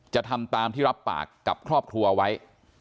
จะทำตามที่รับปากกับครอบครัวไว้